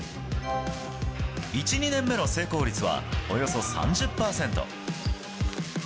１、２年目の成功率はおよそ３０％。